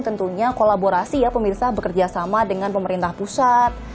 tentunya kolaborasi ya pemirsa bekerja sama dengan pemerintah pusat